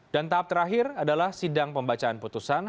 dan tahap terakhir adalah sidang pembacaan putusan